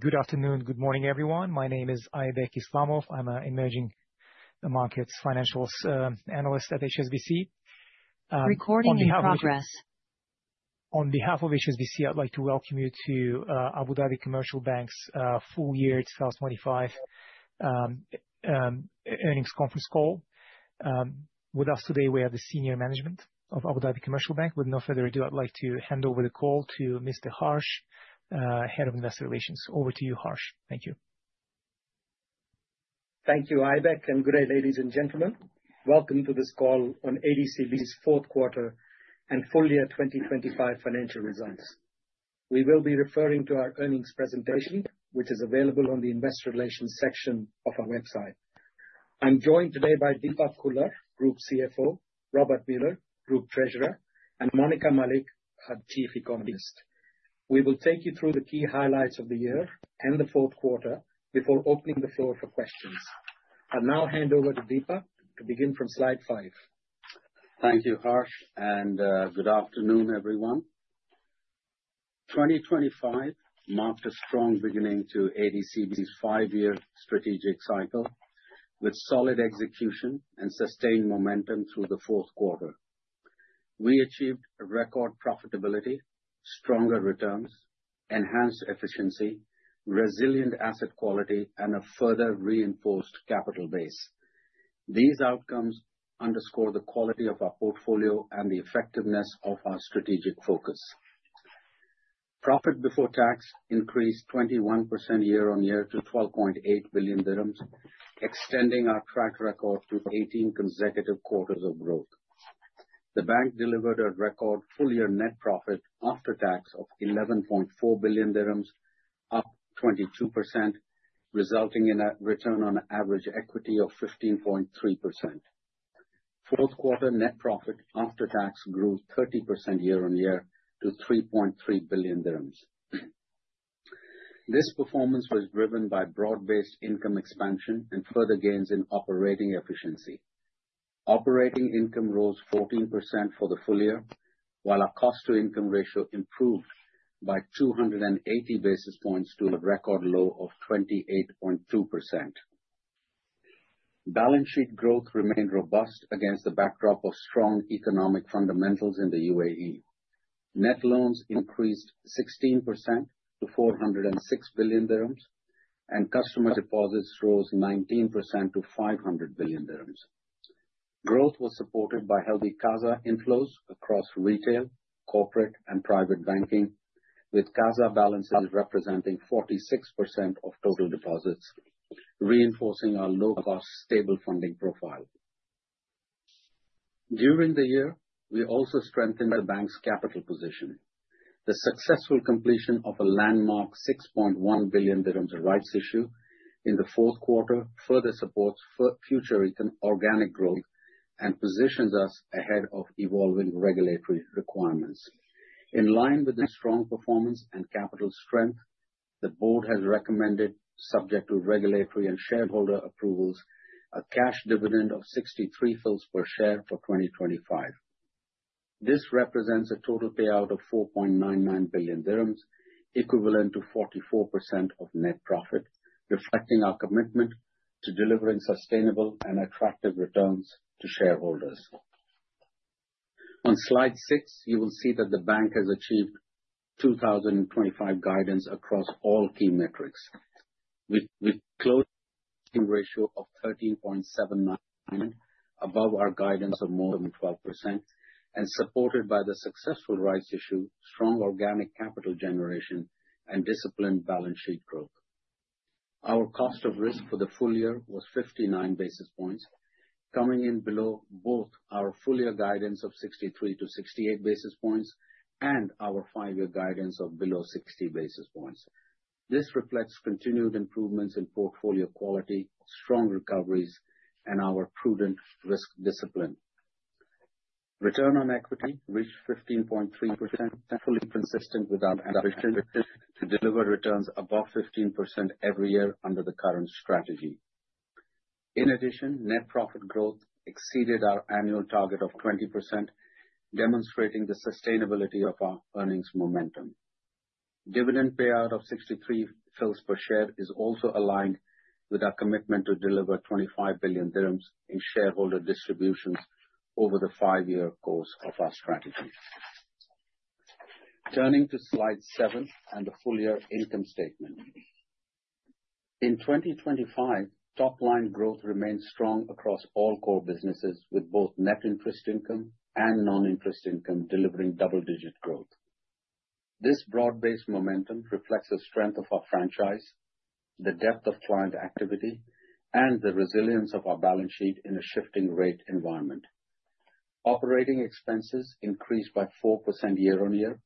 Good afternoon. Good morning, everyone. My name is Aybek Islamov. I'm an emerging markets financials analyst at HSBC. On behalf of- Recording in progress. On behalf of HSBC, I'd like to welcome you to Abu Dhabi Commercial Bank's full year 2025 Earnings Conference Call. With us today we have the senior management of Abu Dhabi Commercial Bank. With no further ado, I'd like to hand over the call to Mr. Harsh, Head of Investor Relations. Over to you, Harsh. Thank you. Thank you, Aybek, and good day, ladies and gentlemen. Welcome to this call on ADCB's fourth quarter and Full Year 2025 Financial Results. We will be referring to our earnings presentation, which is available on the investor relations section of our website. I'm joined today by Deepak Khullar, Group CFO, Robbert Muller, Group Treasurer, and Monica Malik, our Chief Economist. We will take you through the key highlights of the year and the fourth quarter before opening the floor for questions. I'll now hand over to Deepak to begin from Slide 5. Thank you, Harsh, and good afternoon, everyone. 2025 marked a strong beginning to ADCB's 5-year strategic cycle, with solid execution and sustained momentum through the fourth quarter. We achieved a record profitability, stronger returns, enhanced efficiency, resilient asset quality, and a further reinforced capital base. These outcomes underscore the quality of our portfolio and the effectiveness of our strategic focus. Profit before tax increased 21% year-on-year to 12.8 billion dirhams, extending our track record to 18 consecutive quarters of growth. The bank delivered a record full-year net profit after tax of 11.4 billion dirhams, up 22%, resulting in a return on average equity of 15.3%. Fourth quarter net profit after tax grew 30% year-on-year to 3.3 billion dirhams. This performance was driven by broad-based income expansion and further gains in operating efficiency. Operating income rose 14% for the full year, while our cost-to-income ratio improved by 280 basis points to a record low of 28.2%. Balance sheet growth remained robust against the backdrop of strong economic fundamentals in the UAE. Net loans increased 16% to 406 billion dirhams, and customer deposits rose 19% to 500 billion dirhams. Growth was supported by healthy CASA inflows across retail, corporate, and private banking, with CASA balances representing 46% of total deposits, reinforcing our low-cost, stable funding profile. During the year, we also strengthened the bank's capital position. The successful completion of a landmark 6.1 billion dirhams rights issue in the fourth quarter further supports future income, organic growth, and positions us ahead of evolving regulatory requirements. In line with the strong performance and capital strength, the board has recommended, subject to regulatory and shareholder approvals, a cash dividend of 0.63 per share for 2025. This represents a total payout of 4.99 billion dirhams, equivalent to 44% of net profit, reflecting our commitment to delivering sustainable and attractive returns to shareholders. On slide 6, you will see that the bank has achieved 2025 guidance across all key metrics. With closing ratio of 13.79, above our guidance of more than 12%, and supported by the successful rights issue, strong organic capital generation, and disciplined balance sheet growth. Our cost of risk for the full year was 59 basis points, coming in below both our full year guidance of 63-68 basis points and our 5-year guidance of below 60 basis points. This reflects continued improvements in portfolio quality, strong recoveries, and our prudent risk discipline. Return on equity reached 15.3%, fully consistent with our ambition to deliver returns above 15% every year under the current strategy. In addition, net profit growth exceeded our annual target of 20%, demonstrating the sustainability of our earnings momentum. Dividend payout of 0.63 per share is also aligned with our commitment to deliver 25 billion dirhams in shareholder distributions over the 5-year course of our strategy. Turning to slide 7 and the full-year income statement. In 2025, top-line growth remained strong across all core businesses, with both net interest income and non-interest income delivering double-digit growth. This broad-based momentum reflects the strength of our franchise, the depth of client activity, and the resilience of our balance sheet in a shifting rate environment. Operating expenses increased by 4% year-on-year.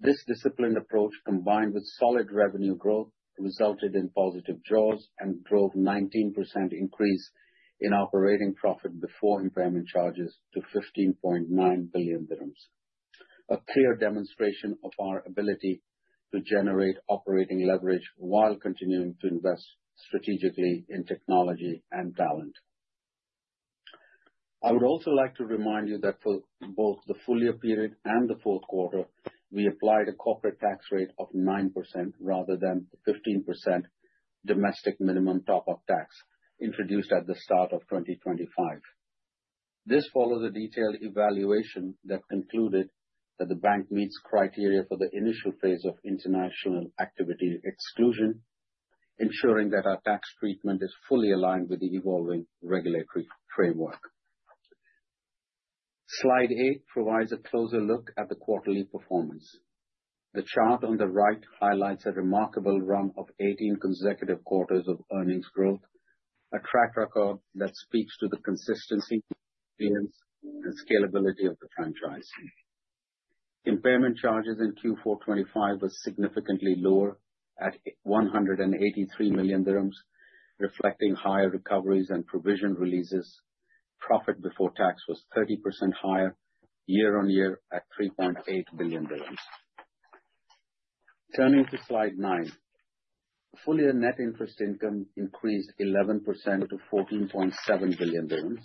This disciplined approach, combined with solid revenue growth, resulted in positive jaws and drove 19% increase in operating profit before impairment charges to 15.9 billion dirhams. A clear demonstration of our ability to generate operating leverage while continuing to invest strategically in technology and talent.... I would also like to remind you that for both the full year period and the fourth quarter, we applied a corporate tax rate of 9% rather than the 15% domestic minimum top-up tax introduced at the start of 2025. This follows a detailed evaluation that concluded that the bank meets criteria for the initial phase of international activity exclusion, ensuring that our tax treatment is fully aligned with the evolving regulatory framework. Slide 8 provides a closer look at the quarterly performance. The chart on the right highlights a remarkable run of 18 consecutive quarters of earnings growth, a track record that speaks to the consistency, resilience, and scalability of the franchise. Impairment charges in Q4 2025 were significantly lower at 183 million dirhams, reflecting higher recoveries and provision releases. Profit before tax was 30% higher year-on-year at AED 3.8 billion. Turning to Slide 9. Full year net interest income increased 11% to 14.7 billion dirhams,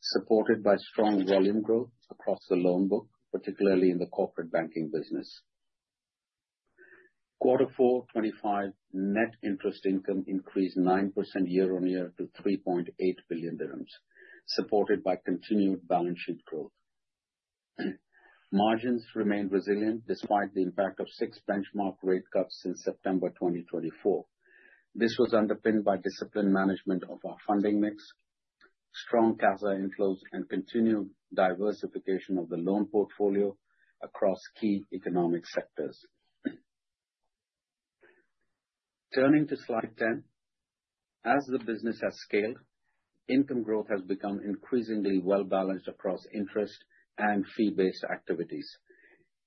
supported by strong volume growth across the loan book, particularly in the corporate banking business. Quarter four 2025, net interest income increased 9% year-on-year to 3.8 billion dirhams, supported by continued balance sheet growth. Margins remained resilient despite the impact of 6 benchmark rate cuts since September 2024. This was underpinned by disciplined management of our funding mix, strong CASA inflows, and continued diversification of the loan portfolio across key economic sectors. Turning to Slide 10. As the business has scaled, income growth has become increasingly well-balanced across interest and fee-based activities.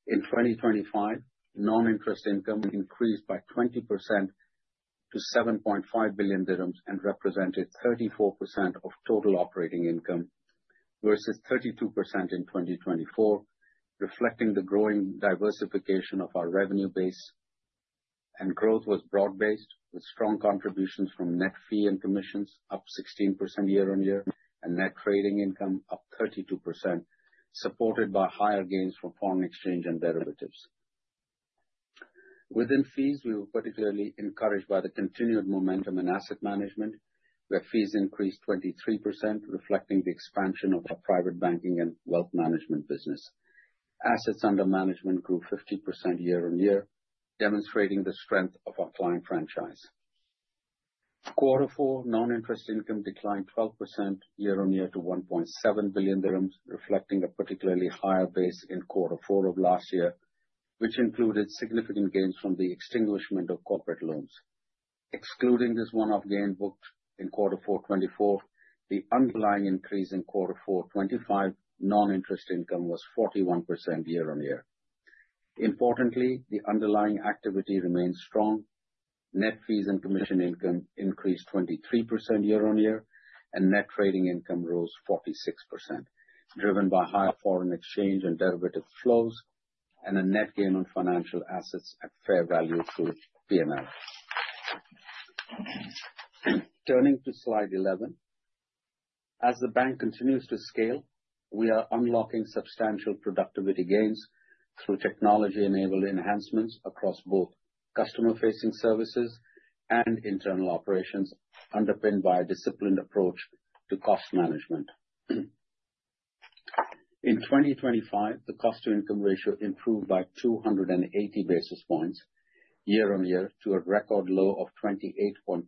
In 2025, non-interest income increased by 20% to 7.5 billion dirhams and represented 34% of total operating income, versus 32% in 2024, reflecting the growing diversification of our revenue base. Growth was broad-based, with strong contributions from net fee and commission up 16% year-on-year, and net trading income up 32%, supported by higher gains from foreign exchange and derivatives. Within fees, we were particularly encouraged by the continued momentum in asset management, where fees increased 23%, reflecting the expansion of our private banking and wealth management business. Assets under management grew 50% year-on-year, demonstrating the strength of our client franchise. Quarter four, non-interest income declined 12% year-on-year to 1.7 billion dirhams, reflecting a particularly higher base in quarter four of last year, which included significant gains from the extinguishment of corporate loans. Excluding this one-off gain booked in quarter four 2024, the underlying increase in quarter four 2025 non-interest income was 41% year-on-year. Importantly, the underlying activity remains strong. Net fees and commission income increased 23% year-on-year, and net trading income rose 46%, driven by higher foreign exchange and derivative flows, and a net gain on financial assets at fair value through P&L. Turning to Slide 11. As the bank continues to scale, we are unlocking substantial productivity gains through technology-enabled enhancements across both customer-facing services and internal operations, underpinned by a disciplined approach to cost management. In 2025, the cost-to-income ratio improved by 280 basis points year-on-year to a record low of 28.2%,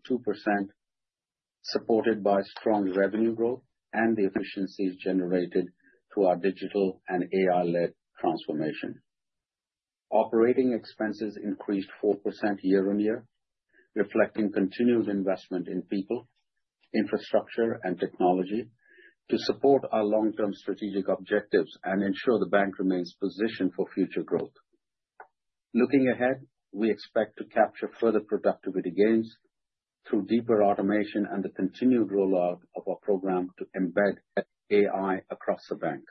supported by strong revenue growth and the efficiencies generated through our digital and AI-led transformation. Operating expenses increased 4% year-on-year, reflecting continued investment in people, infrastructure, and technology to support our long-term strategic objectives and ensure the bank remains positioned for future growth. Looking ahead, we expect to capture further productivity gains through deeper automation and the continued rollout of our program to embed AI across the bank.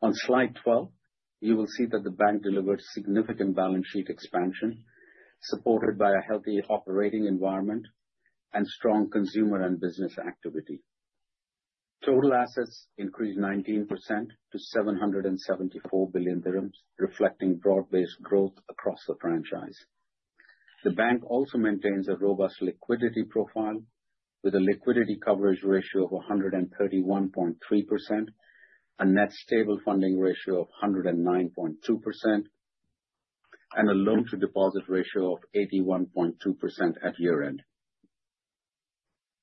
On Slide 12, you will see that the bank delivered significant balance sheet expansion, supported by a healthy operating environment and strong consumer and business activity. Total assets increased 19% to 774 billion dirhams, reflecting broad-based growth across the franchise. The bank also maintains a robust liquidity profile with a liquidity coverage ratio of 131.3%, a net stable funding ratio of 109.2%, and a loan-to-deposit ratio of 81.2% at year-end.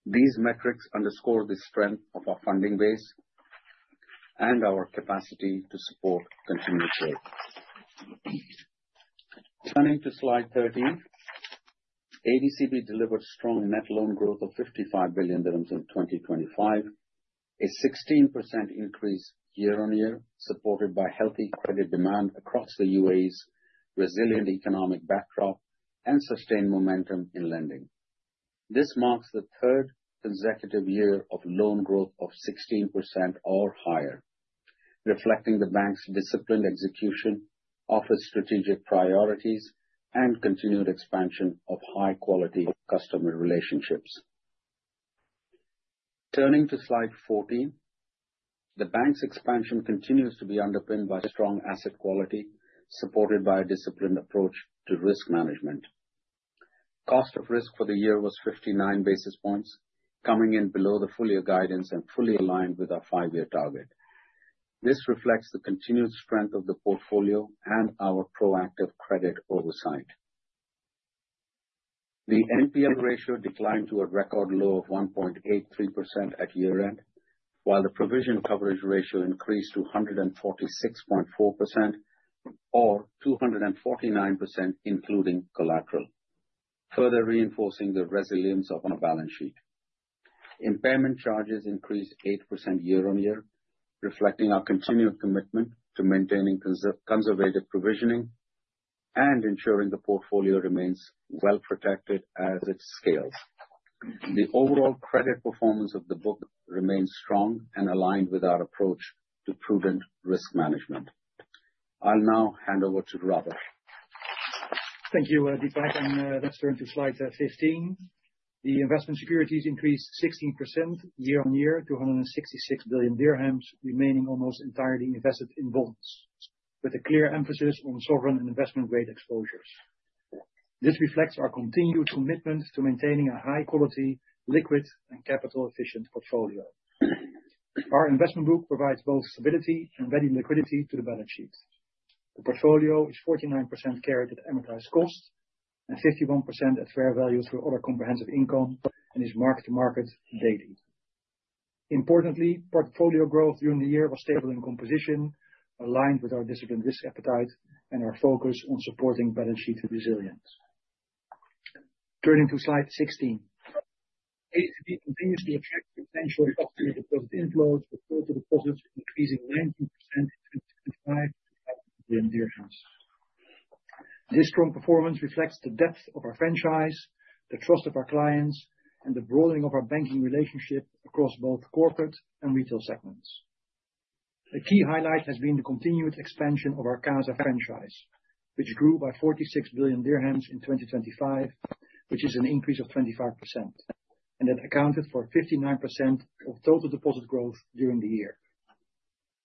These metrics underscore the strength of our funding base and our capacity to support continued growth. Turning to Slide 13. ADCB delivered strong net loan growth of 55 billion dirhams in 2025, a 16% increase year-over-year, supported by healthy credit demand across the UAE's resilient economic backdrop and sustained momentum in lending. This marks the third consecutive year of loan growth of 16% or higher, reflecting the bank's disciplined execution of its strategic priorities and continued expansion of high-quality customer relationships. Turning to Slide 14, the bank's expansion continues to be underpinned by strong asset quality, supported by a disciplined approach to risk management. Cost of risk for the year was 59 basis points, coming in below the full year guidance and fully aligned with our 5-year target. This reflects the continued strength of the portfolio and our proactive credit oversight. The NPL ratio declined to a record low of 1.83% at year-end, while the provision coverage ratio increased to 146.4%, or 249%, including collateral, further reinforcing the resilience of our balance sheet. Impairment charges increased 8% year-on-year, reflecting our continued commitment to maintaining conservative provisioning and ensuring the portfolio remains well protected as it scales. The overall credit performance of the book remains strong and aligned with our approach to prudent risk management. I'll now hand over to Robbert. Thank you, Deepak, and let's turn to Slide 15. The investment securities increased 16% year-on-year to 166 billion dirhams, remaining almost entirely invested in bonds, with a clear emphasis on sovereign and investment-grade exposures. This reflects our continued commitment to maintaining a high-quality, liquid, and capital-efficient portfolio. Our investment group provides both stability and ready liquidity to the balance sheet. The portfolio is 49% carried at amortized cost and 51% at fair value through other comprehensive income and is marked to market daily. Importantly, portfolio growth during the year was stable in composition, aligned with our disciplined risk appetite and our focus on supporting balance sheet resilience. Turning to Slide 16. ADCB continues to attract potentially positive inflows, with total deposits increasing 19% in 2025 in dirhams. This strong performance reflects the depth of our franchise, the trust of our clients, and the broadening of our banking relationship across both corporate and retail segments. A key highlight has been the continued expansion of our CASA franchise, which grew by 46 billion dirhams in 2025, which is an increase of 25%, and it accounted for 59% of total deposit growth during the year.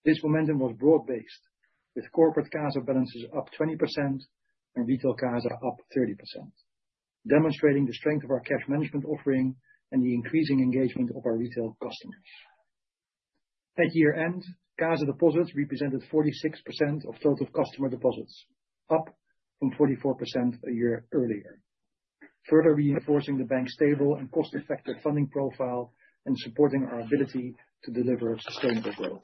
This momentum was broad-based, with corporate CASA balances up 20% and retail CASA up 30%, demonstrating the strength of our cash management offering and the increasing engagement of our retail customers. At year-end, CASA deposits represented 46% of total customer deposits, up from 44% a year earlier, further reinforcing the bank's stable and cost-effective funding profile and supporting our ability to deliver sustainable growth.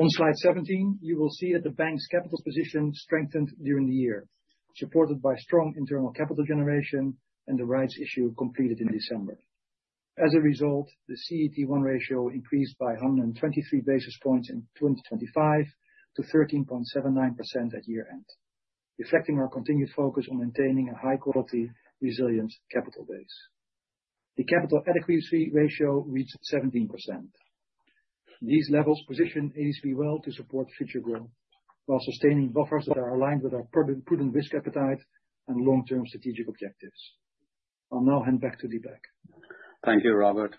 On Slide 17, you will see that the bank's capital position strengthened during the year, supported by strong internal capital generation and the rights issue completed in December. As a result, the CET1 ratio increased by 123 basis points in 2025 to 13.79% at year-end, reflecting our continued focus on maintaining a high-quality, resilient capital base. The capital adequacy ratio reached 17%. These levels position ADCB well to support future growth while sustaining buffers that are aligned with our prudent risk appetite and long-term strategic objectives. I'll now hand back to Deepak. Thank you, Robbert.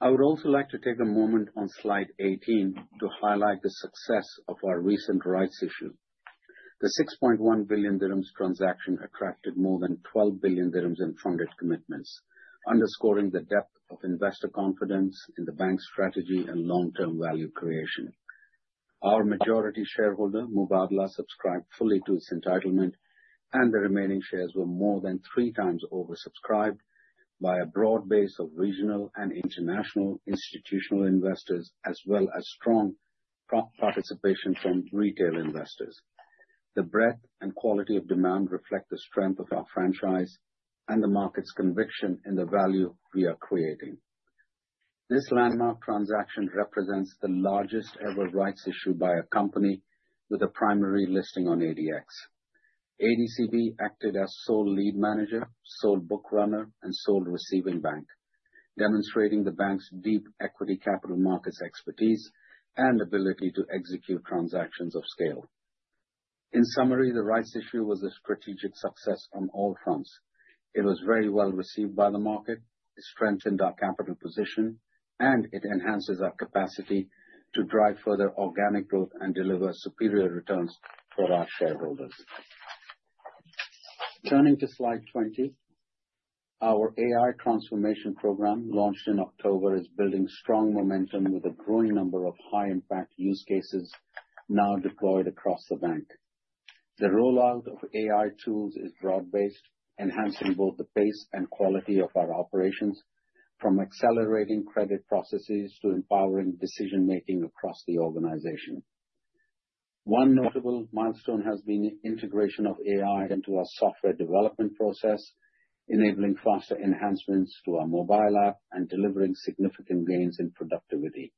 I would also like to take a moment on Slide 18 to highlight the success of our recent rights issue. The 6.1 billion dirhams transaction attracted more than 12 billion dirhams in funded commitments, underscoring the depth of investor confidence in the bank's strategy and long-term value creation. Our majority shareholder, Mubadala, subscribed fully to its entitlement, and the remaining shares were more than 3 times oversubscribed by a broad base of regional and international institutional investors, as well as strong pro-rata participation from retail investors. The breadth and quality of demand reflect the strength of our franchise and the market's conviction in the value we are creating. This landmark transaction represents the largest ever rights issue by a company with a primary listing on ADX. ADCB acted as sole lead manager, sole bookrunner, and sole receiving bank, demonstrating the bank's deep equity capital markets expertise and ability to execute transactions of scale. In summary, the rights issue was a strategic success on all fronts. It was very well received by the market, it strengthened our capital position, and it enhances our capacity to drive further organic growth and deliver superior returns for our shareholders. Turning to Slide 20, our AI transformation program, launched in October, is building strong momentum with a growing number of high-impact use cases now deployed across the bank. The rollout of AI tools is broad-based, enhancing both the pace and quality of our operations, from accelerating credit processes to empowering decision-making across the organization. One notable milestone has been the integration of AI into our software development process, enabling faster enhancements to our mobile app and delivering significant gains in productivity....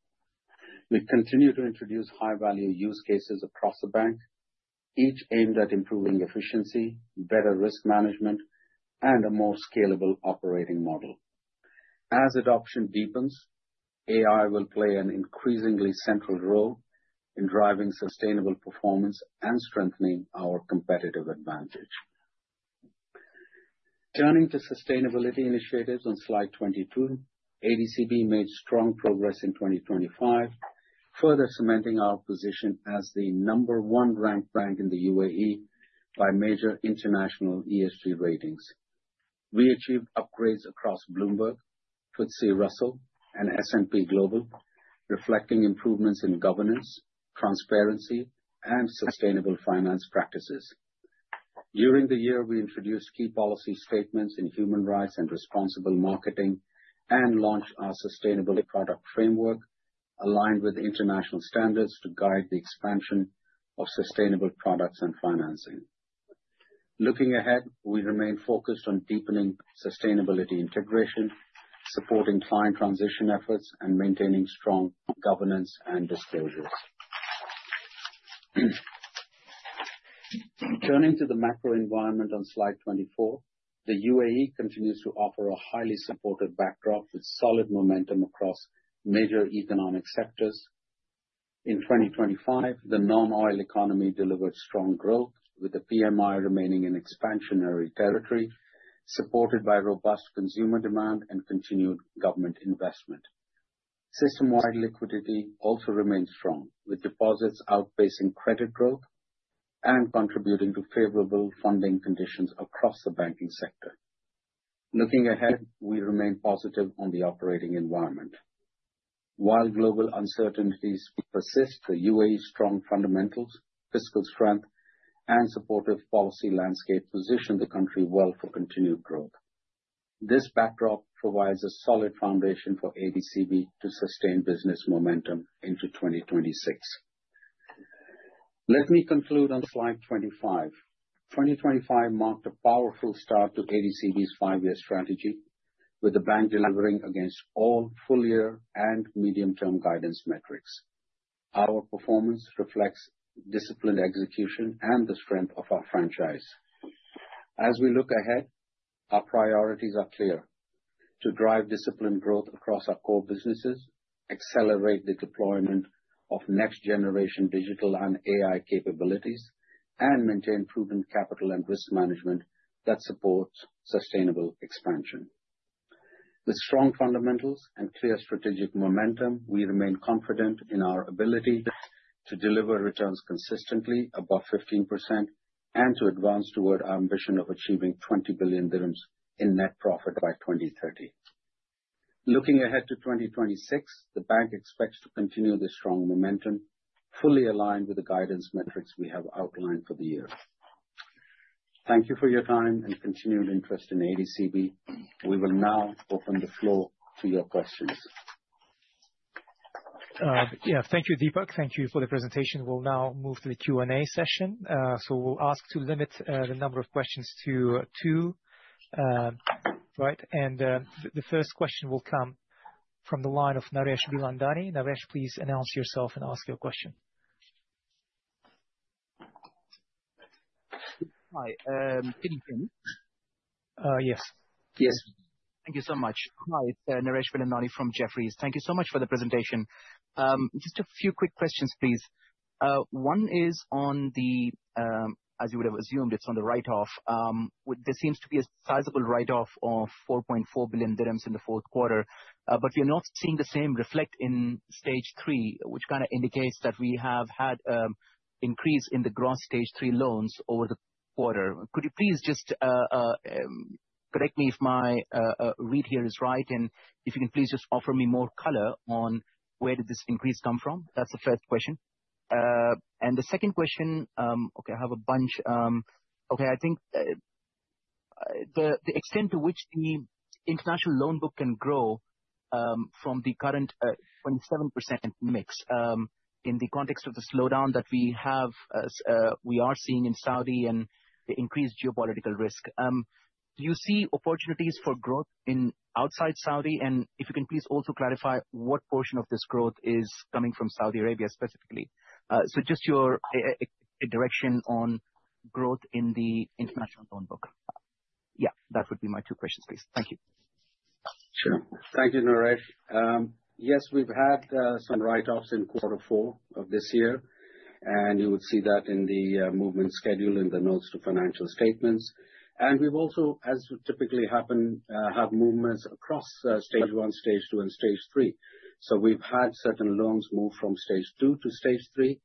We continue to introduce high-value use cases across the bank, each aimed at improving efficiency, better risk management, and a more scalable operating model. As adoption deepens, AI will play an increasingly central role in driving sustainable performance and strengthening our competitive advantage. Turning to sustainability initiatives on slide 22, ADCB made strong progress in 2025, further cementing our position as the number one ranked bank in the UAE by major international ESG ratings. We achieved upgrades across Bloomberg, FTSE Russell, and S&P Global, reflecting improvements in governance, transparency, and sustainable finance practices. During the year, we introduced key policy statements in human rights and responsible marketing, and launched our sustainability product framework, aligned with international standards to guide the expansion of sustainable products and financing. Looking ahead, we remain focused on deepening sustainability integration, supporting client transition efforts, and maintaining strong governance and disclosures. Turning to the macro environment on slide 24, the UAE continues to offer a highly supported backdrop with solid momentum across major economic sectors. In 2025, the non-oil economy delivered strong growth, with the PMI remaining in expansionary territory, supported by robust consumer demand and continued government investment. System-wide liquidity also remains strong, with deposits outpacing credit growth and contributing to favorable funding conditions across the banking sector. Looking ahead, we remain positive on the operating environment. While global uncertainties persist, the UAE's strong fundamentals, fiscal strength, and supportive policy landscape position the country well for continued growth. This backdrop provides a solid foundation for ADCB to sustain business momentum into 2026. Let me conclude on slide 25. 2025 marked a powerful start to ADCB's 5-year strategy, with the bank delivering against all full-year and medium-term guidance metrics. Our performance reflects disciplined execution and the strength of our franchise. As we look ahead, our priorities are clear: to drive disciplined growth across our core businesses, accelerate the deployment of next-generation digital and AI capabilities, and maintain proven capital and risk management that supports sustainable expansion. With strong fundamentals and clear strategic momentum, we remain confident in our ability to deliver returns consistently above 15% and to advance toward our ambition of achieving 20 billion dirhams in net profit by 2030. Looking ahead to 2026, the bank expects to continue this strong momentum, fully aligned with the guidance metrics we have outlined for the year. Thank you for your time and continued interest in ADCB. We will now open the floor to your questions. Yeah, thank you, Deepak. Thank you for the presentation. We'll now move to the Q&A session. We'll ask to limit the number of questions to two. Right, and the first question will come from the line of Naresh Bilandani. Naresh, please announce yourself and ask your question. Hi Yes. Yes. Thank you so much. Hi, Naresh Bilandani from Jefferies. Thank you so much for the presentation. Just a few quick questions, please. One is on the, as you would have assumed, it's on the write-off. There seems to be a sizable write-off of 4.4 billion dirhams in the fourth quarter, but we are not seeing the same reflect in Stage 3, which kind of indicates that we have had increase in the gross Stage 3 loans over the quarter. Could you please just correct me if my read here is right, and if you can please just offer me more color on where did this increase come from? That's the first question. And the second question. Okay, I have a bunch. Okay, I think, the extent to which the international loan book can grow, from the current, 27% mix, in the context of the slowdown that we have, we are seeing in Saudi and the increased geopolitical risk. Do you see opportunities for growth in outside Saudi? And if you can please also clarify what portion of this growth is coming from Saudi Arabia specifically. So just your, direction on growth in the international loan book. Yeah, that would be my two questions, please. Thank you. Sure. Thank you, Naresh. Yes, we've had some write-offs in quarter four of this year, and you would see that in the movement schedule in the notes to financial statements. We've also, as would typically happen, have movements across Stage 1, Stage 2, and Stage 3. So we've had certain loans move from Stage 2 to Stage 3,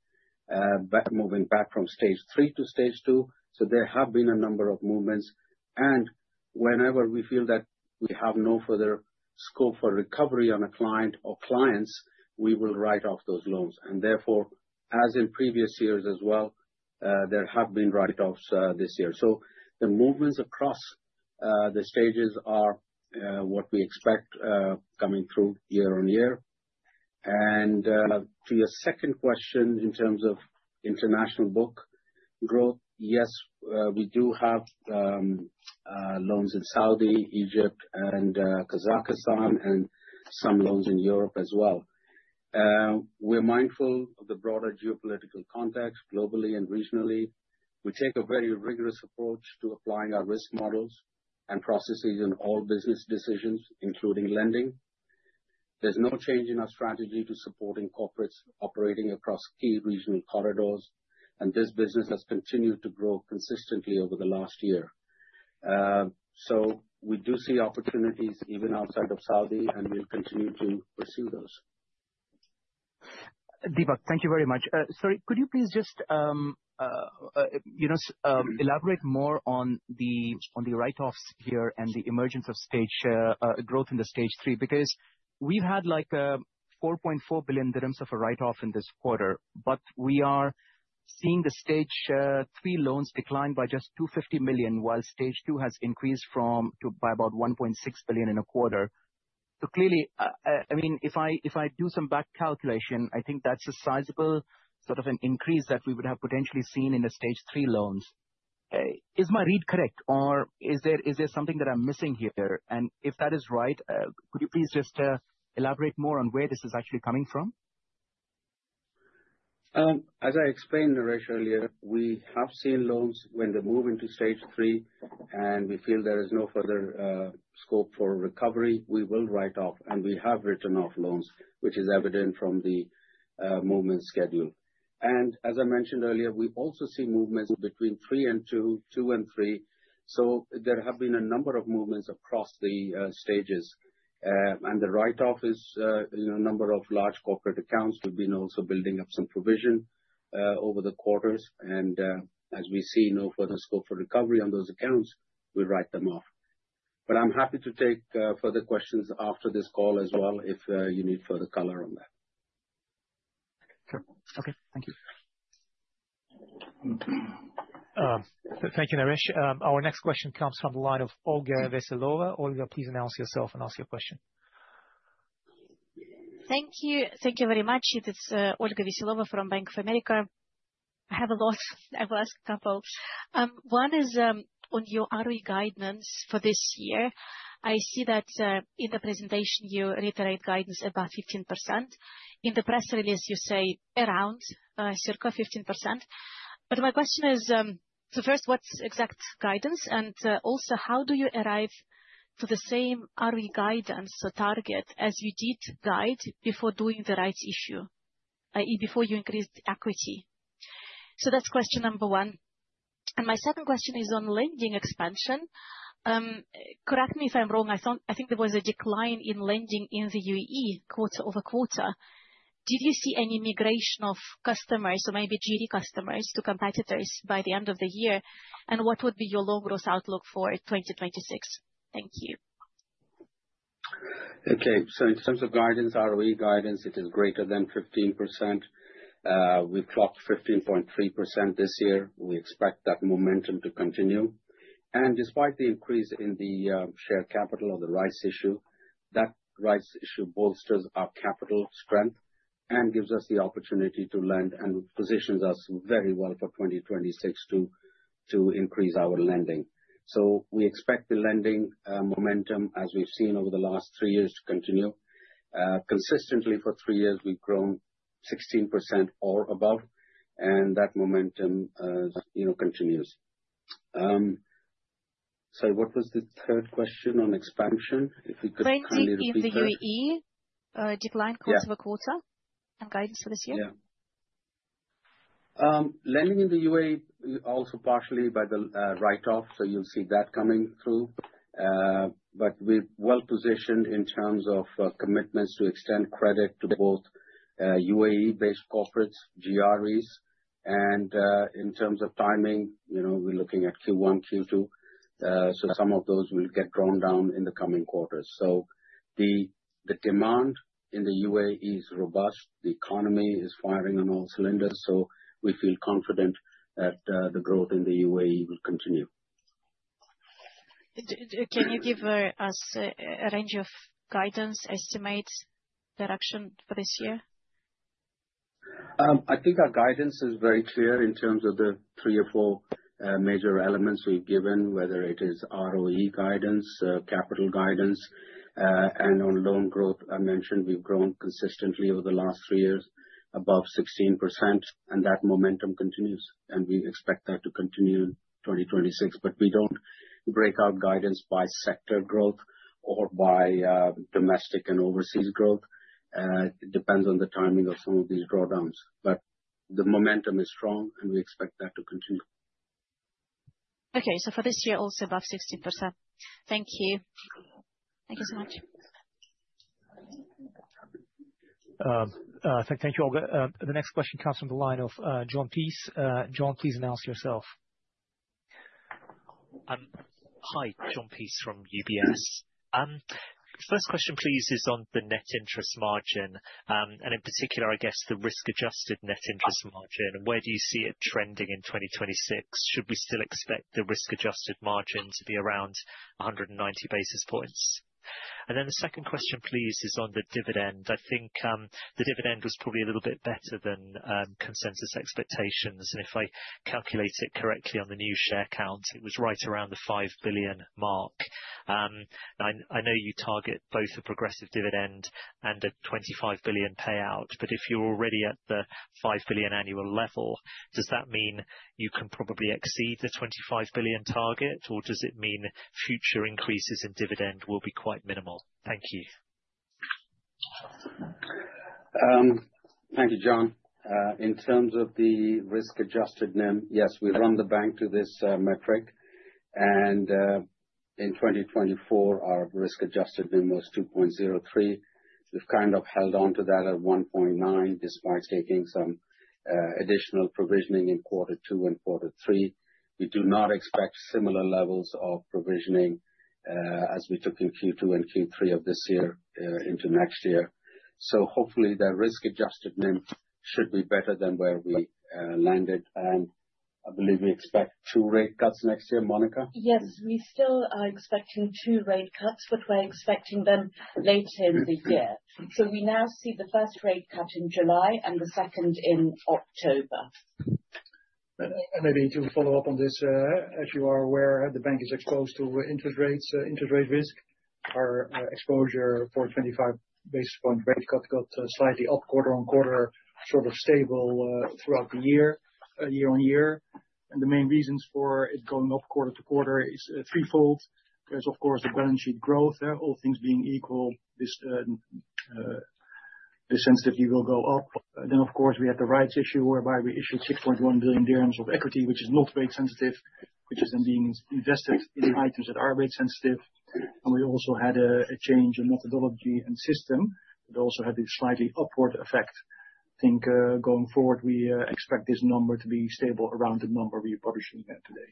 back, moving back from Stage 3 to Stage 2, so there have been a number of movements. And whenever we feel that we have no further scope for recovery on a client or clients, we will write off those loans. And therefore, as in previous years as well, there have been write-offs this year. So the movements across the stages are what we expect coming through year on year. And to your second question, in terms of international book-... growth, yes, we do have loans in Saudi, Egypt, and Kazakhstan, and some loans in Europe as well. We're mindful of the broader geopolitical context, globally and regionally. We take a very rigorous approach to applying our risk models and processes in all business decisions, including lending. There's no change in our strategy to supporting corporates operating across key regional corridors, and this business has continued to grow consistently over the last year. So we do see opportunities even outside of Saudi, and we'll continue to pursue those. Deepak, thank you very much. Sorry, could you please just, you know, elaborate more on the write-offs here, and the emergence of stage growth in the Stage 3? Because we've had, like, 4.4 billion dirhams of a write-off in this quarter, but we are seeing the Stage 3 loans decline by just 250 million, while Stage 2 has increased by about 1.6 billion in a quarter. So clearly, I mean, if I do some back calculation, I think that's a sizable, sort of an increase that we would have potentially seen in the Stage 3 loans. Is my read correct, or is there something that I'm missing here? If that is right, could you please just elaborate more on where this is actually coming from? As I explained, Naresh, earlier, we have seen loans when they move into Stage 3, and we feel there is no further scope for recovery, we will write off, and we have written off loans, which is evident from the movement schedule. And as I mentioned earlier, we've also seen movements between 3 and 2, 2 and 3, so there have been a number of movements across the stages. And the write-off is, you know, a number of large corporate accounts. We've been also building up some provision over the quarters, and as we see no further scope for recovery on those accounts, we write them off. But I'm happy to take further questions after this call as well, if you need further color on that. Sure. Okay, thank you. Thank you, Naresh. Our next question comes from the line of Olga Veselova. Olga, please announce yourself and ask your question. Thank you. Thank you very much. It is, Olga Veselova from Bank of America. I have a lot, I will ask a couple. One is, on your ROE guidance for this year. I see that, in the presentation, you reiterate guidance about 15%. In the press release, you say around, circa 15%. But my question is, so first, what's exact guidance? And, also, how do you arrive to the same ROE guidance or target as you did guide before doing the rights issue, before you increased equity? So that's question number one. And my second question is on lending expansion. Correct me if I'm wrong, I thought, I think there was a decline in lending in the UAE quarter-over-quarter. Did you see any migration of customers, so maybe GRE customers, to competitors by the end of the year? And what would be your loan growth outlook for 2026? Thank you. Okay. So in terms of guidance, ROE guidance, it is greater than 15%. We've clocked 15.3% this year. We expect that momentum to continue. And despite the increase in the share capital or the rights issue, that rights issue bolsters our capital strength, and gives us the opportunity to lend, and positions us very well for 2026 to increase our lending. So we expect the lending momentum, as we've seen over the last three years, to continue. Consistently for three years, we've grown 16% or above, and that momentum, you know, continues. Sorry, what was the third question on expansion? If you could kindly repeat that. Lending in the UAE, decline Yeah. quarter-over-quarter, and guidance for this year. Yeah. Lending in the UAE, also partially by the write-off, so you'll see that coming through. But we're well positioned in terms of commitments to extend credit to both UAE-based corporates, GREs, and in terms of timing, you know, we're looking at Q1, Q2. So some of those will get drawn down in the coming quarters. So the demand in the UAE is robust. The economy is firing on all cylinders, so we feel confident that the growth in the UAE will continue. Can you give us a range of guidance estimates, direction for this year? I think our guidance is very clear in terms of the 3 or 4 major elements we've given, whether it is ROE guidance, capital guidance, and on loan growth. I mentioned we've grown consistently over the last 3 years, above 16%, and that momentum continues, and we expect that to continue in 2026. But we don't break out guidance by sector growth or by domestic and overseas growth. It depends on the timing of some of these drawdowns, but the momentum is strong, and we expect that to continue. Okay. So for this year, also above 16%. Thank you. Thank you so much. Thank you, Olga. The next question comes from the line of Jon Peace. John, please announce yourself. Hi. Jon Peace from UBS. First question, please, is on the net interest margin, and in particular, I guess, the risk-adjusted net interest margin, and where do you see it trending in 2026? Should we still expect the risk-adjusted margin to be around 190 basis points? And then the second question, please, is on the dividend. I think the dividend was probably a little bit better than consensus expectations, and if I calculated correctly on the new share count, it was right around the 5 billion mark. I know you target both a progressive dividend and a 25 billion payout, but if you're already at the 5 billion annual level, does that mean you can probably exceed the 25 billion target? Or does it mean future increases in dividend will be quite minimal? Thank you. Thank you, John. In terms of the risk-adjusted NIM, yes, we run the bank to this metric. And in 2024, our risk-adjusted NIM was 2.03. We've kind of held onto that at 1.9, despite taking some additional provisioning in quarter two and quarter three. We do not expect similar levels of provisioning as we took in Q2 and Q3 of this year into next year. So hopefully, the risk-adjusted NIM should be better than where we landed, and I believe we expect two rate cuts next year. Monica? Yes, we still are expecting two rate cuts, but we're expecting them later in the year. So we now see the first rate cut in July and the second in October. And maybe to follow up on this, as you are aware, the bank is exposed to interest rates, interest rate risk. Our exposure for a 25 basis point rate cut got slightly up quarter-over-quarter, sort of stable throughout the year, year-over-year. And the main reasons for it going up quarter-over-quarter is threefold. There's, of course, the balance sheet growth. All things being equal, this sensitivity will go up. Then, of course, we had the rights issue, whereby we issued 6.1 billion dirhams of equity, which is not rate sensitive, which is then being invested in items that are rate sensitive. And we also had a change in methodology and system, that also had a slightly upward effect. I think, going forward, we expect this number to be stable around the number we published in there today.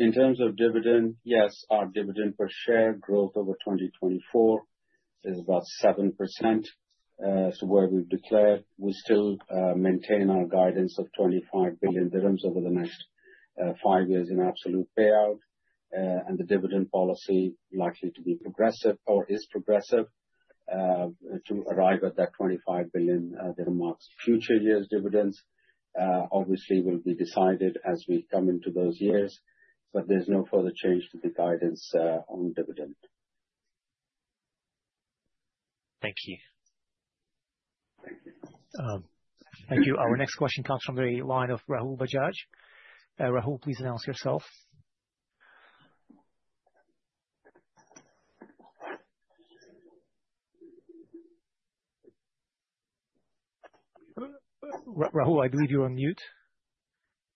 In terms of dividend, yes, our dividend per share growth over 2024 is about 7%. So where we've declared, we still maintain our guidance of 25 billion dirhams over the next 5 years in absolute payout. And the dividend policy likely to be progressive or is progressive to arrive at that 25 billion dirhams. Future years' dividends obviously will be decided as we come into those years, but there's no further change to the guidance on dividend. Thank you. Thank you. Thank you. Our next question comes from the line of Rahul Bajaj. Rahul, please announce yourself. Rahul, I believe you're on mute.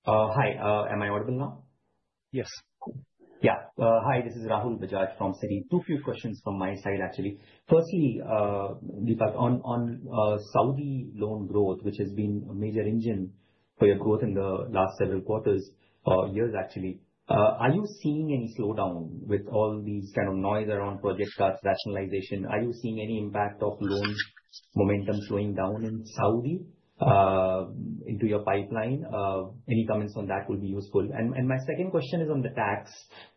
Hi. Am I audible now? Yes. Cool. Yeah. Hi, this is Rahul Bajaj from Citi. Two quick questions from my side, actually. Firstly, on Saudi loan growth, which has been a major engine for your growth in the last several quarters, years actually, are you seeing any slowdown with all these kind of noise around project cuts, rationalization? Are you seeing any impact of loan momentum slowing down in Saudi into your pipeline? Any comments on that would be useful. And my second question is on the tax.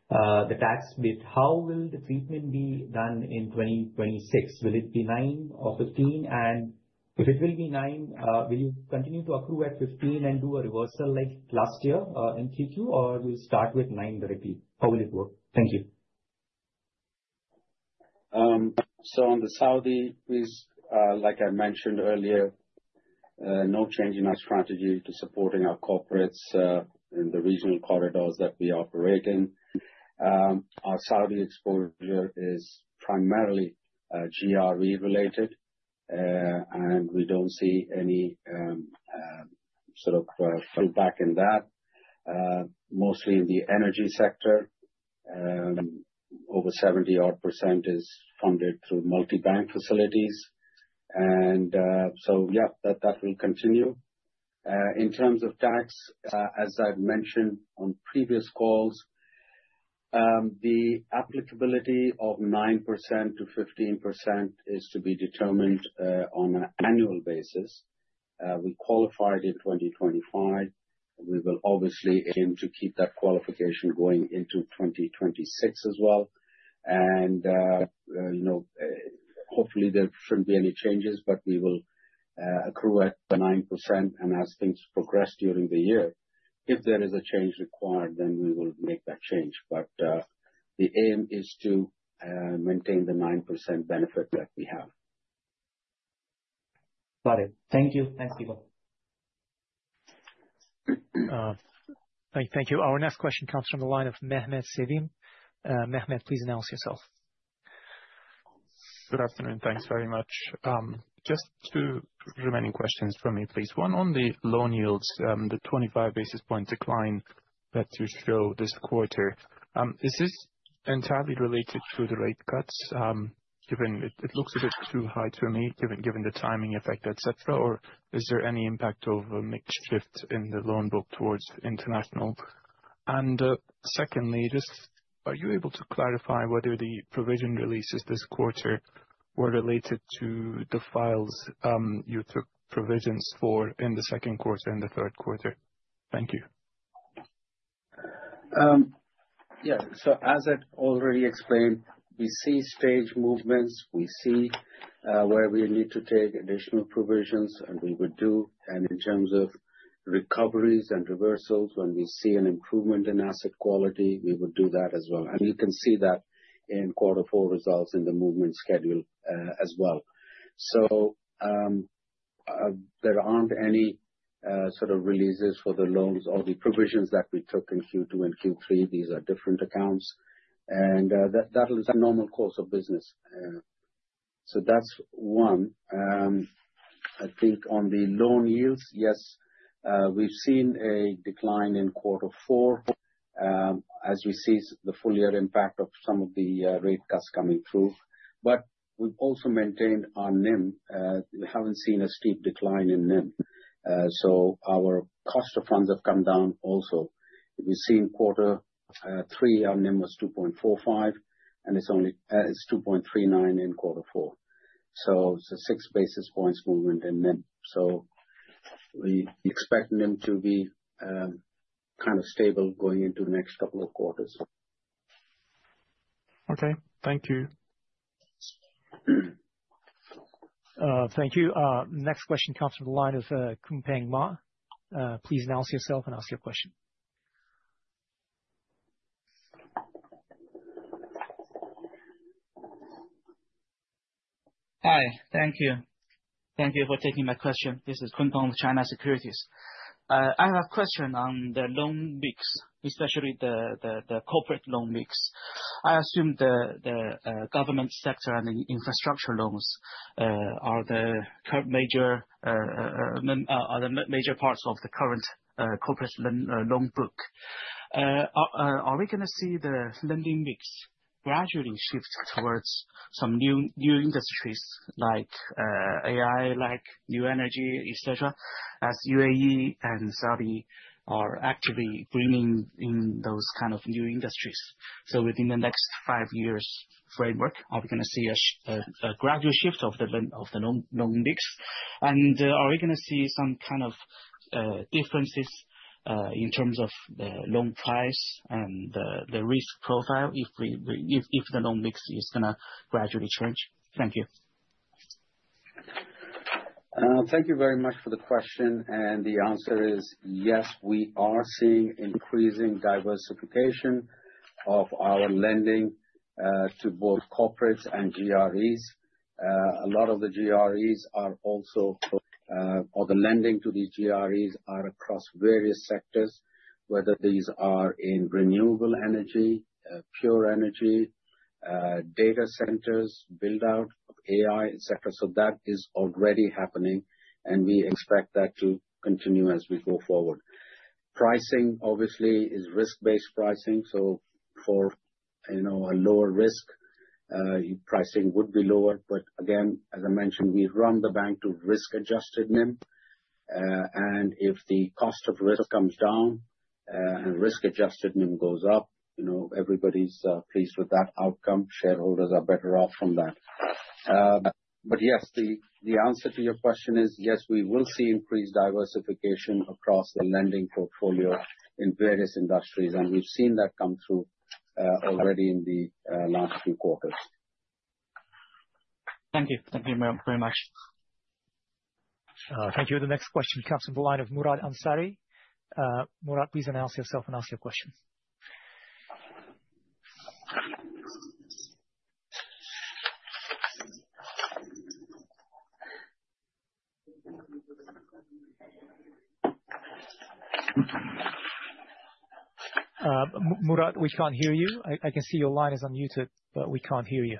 The tax bit, how will the treatment be done in 2026? Will it be 9 or 15? And if it will be 9, will you continue to accrue at 15 and do a reversal like last year in Q2, or will you start with 9 directly? How will it work? Thank you. So, like I mentioned earlier, no change in our strategy to supporting our corporates in the regional corridors that we operate in. Our Saudi exposure is primarily GRE-related, and we don't see any sort of pullback in that. Mostly in the energy sector, over 70-odd% is funded through multi-bank facilities, and so yeah, that will continue. In terms of tax, as I've mentioned on previous calls, the applicability of 9%-15% is to be determined on an annual basis. We qualified in 2025. We will obviously aim to keep that qualification going into 2026 as well. You know, hopefully, there shouldn't be any changes, but we will accrue at the 9%, and as things progress during the year, if there is a change required, then we will make that change. But, the aim is to maintain the 9% benefit that we have. Got it. Thank you. Thanks, people. Thank you. Our next question comes from the line of Mehmet Sevim. Mehmet, please announce yourself. Good afternoon. Thanks very much. Just two remaining questions from me, please. One, on the loan yields, the 25 basis point decline that you show this quarter, is this entirely related to the rate cuts? Given it looks a bit too high to me, given the timing effect, et cetera, or is there any impact of a mix shift in the loan book towards international? And, secondly, just are you able to clarify whether the provision releases this quarter were related to the files you took provisions for in the second quarter and the third quarter? Thank you. Yeah, so as I've already explained, we see stage movements, we see where we need to take additional provisions, and we would do. And in terms of recoveries and reversals, when we see an improvement in asset quality, we would do that as well. And you can see that in quarter four results in the movement schedule, as well. So, there aren't any sort of releases for the loans or the provisions that we took in Q2 and Q3. These are different accounts, and that is a normal course of business. So that's one. I think on the loan yields, yes, we've seen a decline in quarter four, as we see the full year impact of some of the rate cuts coming through. But we've also maintained our NIM. We haven't seen a steep decline in NIM. So our cost of funds have come down also. We've seen quarter three, our NIM was 2.45, and it's only, it's 2.39 in quarter four. So we expect NIM to be kind of stable going into the next couple of quarters. Okay. Thank you. Thank you. Next question comes from the line of Kunpeng Ma. Please announce yourself and ask your question. Hi. Thank you. Thank you for taking my question. This is Kunpeng with China Securities. I have a question on the loan mix, especially the corporate loan mix. I assume the government sector and the infrastructure loans are the current major parts of the current corporate loan book. Are we gonna see the lending mix gradually shift towards some new industries, like AI, like new energy, et cetera, as UAE and Saudi are actively bringing in those kind of new industries? So within the next five years framework, are we gonna see a gradual shift of the loan mix? Are we gonna see some kind of differences in terms of the loan price and the risk profile, if the loan mix is gonna gradually change? Thank you. Thank you very much for the question. The answer is yes, we are seeing increasing diversification of our lending to both corporates and GREs. A lot of the GREs are also or the lending to these GREs are across various sectors, whether these are in renewable energy, pure energy, data centers, build-out of AI, et cetera. That is already happening, and we expect that to continue as we go forward. Pricing, obviously, is risk-based pricing, so for, you know, a lower risk, your pricing would be lower. But again, as I mentioned, we run the bank to risk-adjusted NIM. If the cost of risk comes down and risk-adjusted NIM goes up, you know, everybody's pleased with that outcome. Shareholders are better off from that. But yes, the answer to your question is, yes, we will see increased diversification across the lending portfolio in various industries, and we've seen that come through already in the last few quarters. Thank you. Thank you very, very much. Thank you. The next question comes from the line of Murad Ansari. Murad, please announce yourself and ask your question. Murad, we can't hear you. I can see your line is unmuted, but we can't hear you.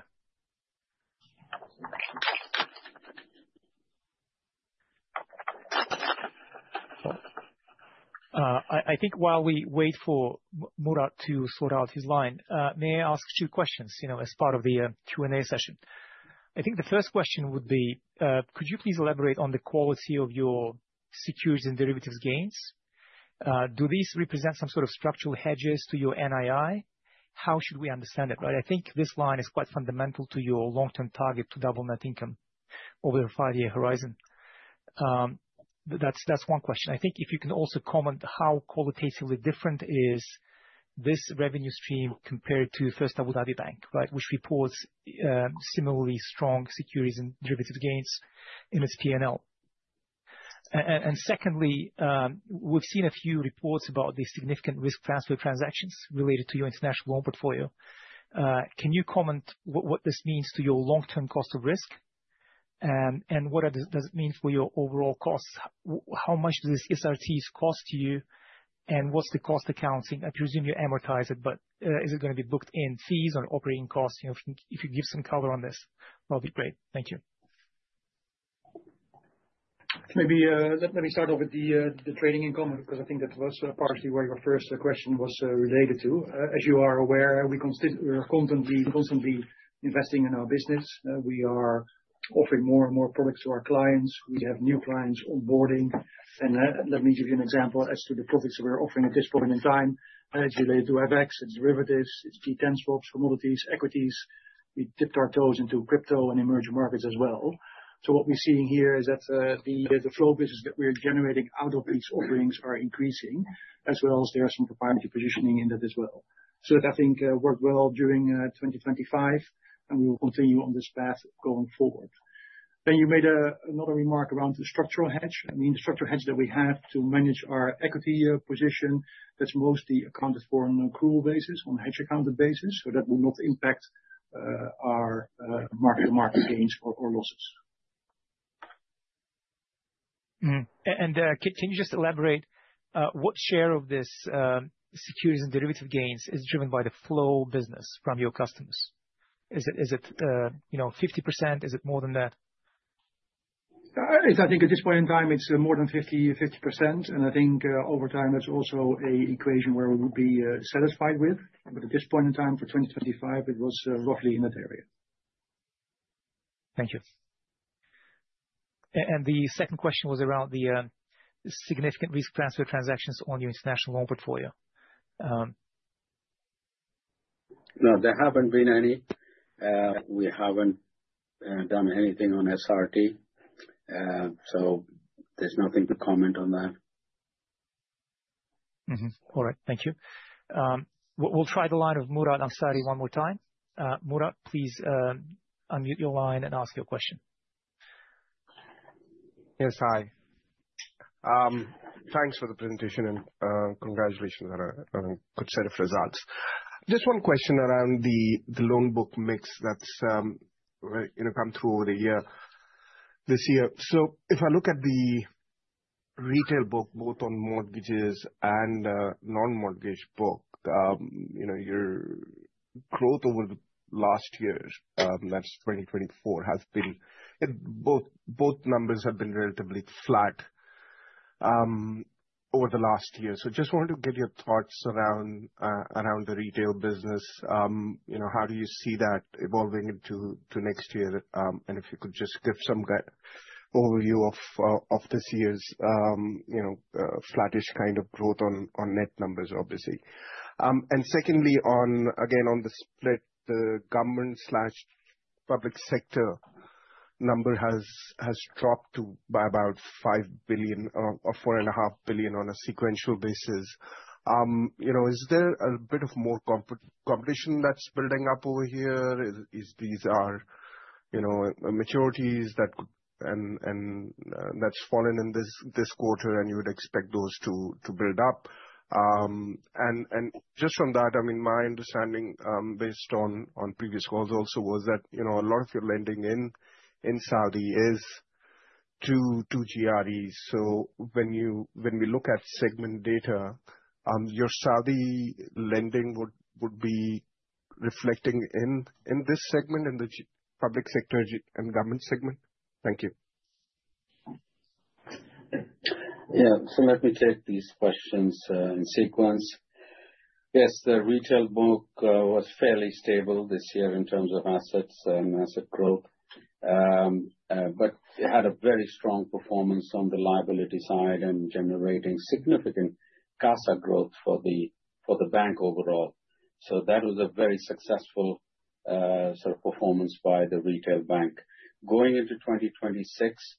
I think while we wait for Murad to sort out his line, may I ask two questions, you know, as part of the Q&A session? I think the first question would be, could you please elaborate on the quality of your securities and derivatives gains? Do these represent some sort of structural hedges to your NII? How should we understand it, right? I think this line is quite fundamental to your long-term target to double net income over a five-year horizon. But that's one question. I think if you can also comment how qualitatively different is this revenue stream compared to First Abu Dhabi Bank, right? Which reports similarly strong securities and derivatives gains in its P&L. And secondly, we've seen a few reports about the significant risk transfer transactions related to your international loan portfolio. Can you comment what this means to your long-term cost of risk? And what does it mean for your overall costs? How much does these SRTs cost you, and what's the cost accounting? I presume you amortize it, but is it gonna be booked in fees or operating costs? You know, if you give some color on this, that'll be great. Thank you. Maybe let me start off with the trading income, because I think that was partly where your first question was related to. As you are aware, we are constantly investing in our business. We are offering more and more products to our clients. We have new clients onboarding. And let me give you an example as to the products we're offering at this point in time. Actually, they do have X, it's derivatives, it's in commodities, equities. We dipped our toes into crypto and emerging markets as well. So what we're seeing here is that the flow business that we're generating out of these offerings are increasing, as well as there are some proprietary positioning in that as well. So that, I think, worked well during 2025, and we will continue on this path going forward. Then you made another remark around the structural hedge. I mean, the structural hedge that we have to manage our equity position, that's mostly accounted for on an accrual basis, on a hedge accounted basis, so that will not impact our market-to-market gains or losses. Can you just elaborate what share of this securities and derivative gains is driven by the flow business from your customers? Is it, you know, 50%? Is it more than that? I think at this point in time, it's more than 50/50%. And I think, over time, that's also an equation where we would be satisfied with. But at this point in time, for 2025, it was roughly in that area. Thank you. And the second question was around the significant risk transfer transactions on your international loan portfolio. No, there haven't been any. We haven't done anything on SRT, so there's nothing to comment on that. All right. Thank you. We'll try the line of Murad Ansari one more time. Murad, please, unmute your line and ask your question. Yes, hi. Thanks for the presentation, and congratulations on a good set of results. Just one question around the loan book mix that's come through over the year, this year. So if I look at the retail book, both on mortgages and non-mortgage book, you know, your growth over the last years, that's 2024, has been... Both numbers have been relatively flat over the last year. So just wanted to get your thoughts around the retail business. You know, how do you see that evolving into next year? And if you could just give some overview of this year's flattish kind of growth on net numbers, obviously. And secondly, again, on the split, the government/public sector number has dropped by about 5 billion, or 4.5 billion on a sequential basis. You know, is there a bit more competition that's building up over here? Are these, you know, maturities that came in this quarter, and you would expect those to build up? And just on that, I mean, my understanding, based on previous calls also, was that, you know, a lot of your lending in Saudi is to GRE. So when we look at segment data, your Saudi lending would be reflecting in this segment, in the public sector and government segment? Thank you. Yeah. So let me take these questions in sequence. Yes, the retail book was fairly stable this year in terms of assets and asset growth. But it had a very strong performance on the liability side and generating significant CASA growth for the bank overall. So that was a very successful sort of performance by the retail bank. Going into 2026,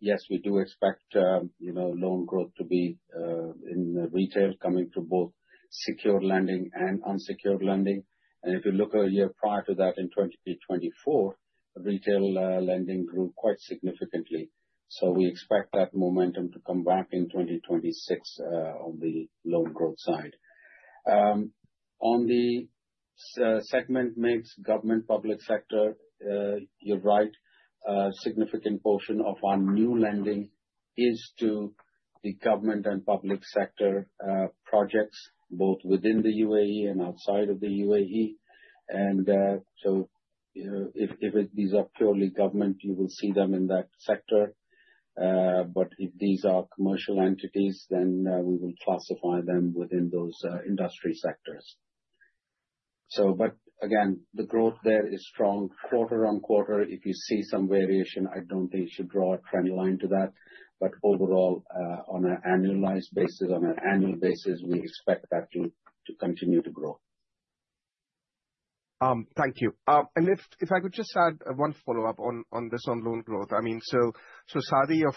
yes, we do expect, you know, loan growth to be in the retail, coming through both secured lending and unsecured lending. And if you look a year prior to that, in 2024, retail lending grew quite significantly. So we expect that momentum to come back in 2026 on the loan growth side. On the segment mix, government, public sector, you're right. A significant portion of our new lending is to the government and public sector projects, both within the UAE and outside of the UAE. So, you know, if, if it, these are purely government, you will see them in that sector, but if these are commercial entities, then, we will classify them within those, industry sectors. So but again, the growth there is strong quarter-on-quarter. If you see some variation, I don't think you should draw a trend line to that. But overall, on an annualized basis, on an annual basis, we expect that to continue to grow. Thank you. And if I could just add one follow-up on loan growth. I mean, so Saudi, a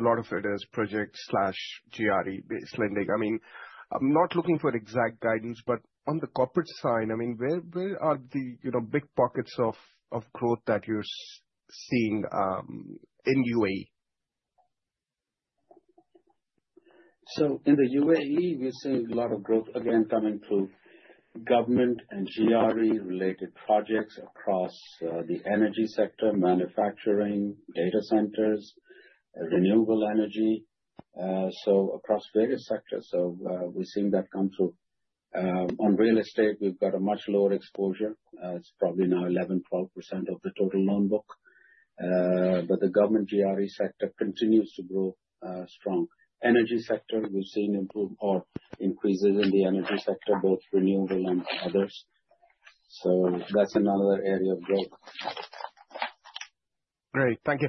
lot of it is project/GRE-based lending. I mean, I'm not looking for exact guidance, but on the corporate side, I mean, where are the, you know, big pockets of growth that you're seeing in UAE? So in the UAE, we're seeing a lot of growth, again, coming through government and GRE-related projects across the energy sector, manufacturing, data centers, renewable energy, so across various sectors. So, we're seeing that come through. On real estate, we've got a much lower exposure. It's probably now 11%-12% of the total loan book. But the government GRE sector continues to grow strong. In the energy sector, we've seen increases in the energy sector, both renewable and others. So that's another area of growth. Great, thank you.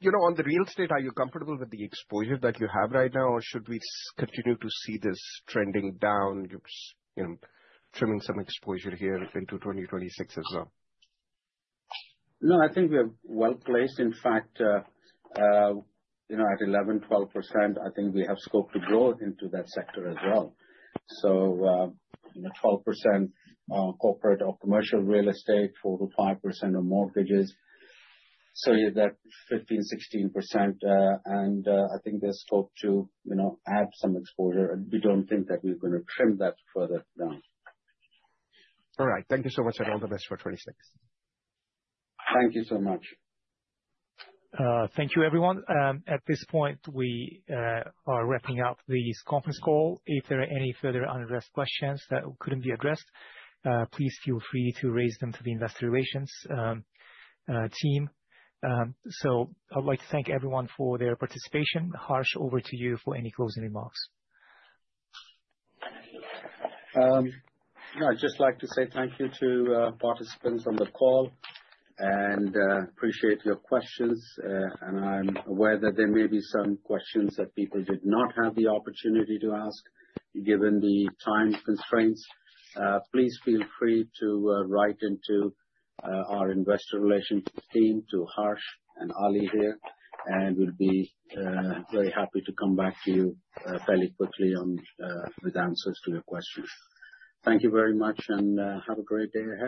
You know, on the real estate, are you comfortable with the exposure that you have right now, or should we continue to see this trending down, you're, you know, trimming some exposure here into 2026 as well? No, I think we are well-placed. In fact, you know, at 11-12%, I think we have scope to grow into that sector as well. So, you know, 12% corporate or commercial real estate, 4%-5% are mortgages, so yeah, that 15%-16%, and I think there's scope to, you know, add some exposure. We don't think that we're gonna trim that further down. All right. Thank you so much, and all the best for 2026. Thank you so much. Thank you, everyone. At this point, we are wrapping up this conference call. If there are any further unaddressed questions that couldn't be addressed, please feel free to raise them to the investor relations team. So I'd like to thank everyone for their participation. Harsh, over to you for any closing remarks. I'd just like to say thank you to participants on the call, and appreciate your questions. I'm aware that there may be some questions that people did not have the opportunity to ask, given the time constraints. Please feel free to write into our investor relations team, to Harsh and Ali here, and we'll be very happy to come back to you fairly quickly on with answers to your questions. Thank you very much, and have a great day ahead.